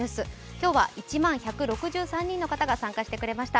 今日は、１万１６３人の方が参加してくれました。